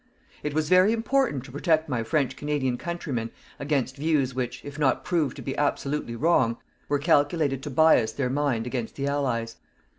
It was very important to protect my French Canadian countrymen against views which, if not proved to be absolutely wrong, were calculated to bias their mind against the Allies.